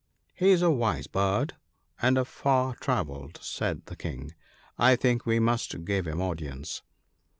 " He is a wise bird, and a far travelled," said the King ;" I think we must give him audience."